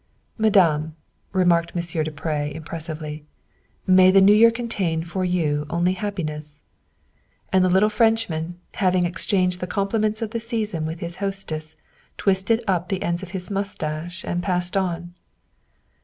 " Madame," remarked Monsieur du Pre impressively, " may the New Year contain for you only happi ness. '' And the little Frenchman, having exchanged the com pliments of the season with his hostess, twisted up the ends of his mustache and passed on.